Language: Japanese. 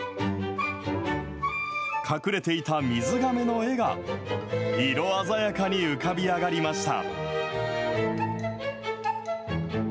隠れていた水がめの絵が、色鮮やかに浮かび上がりました。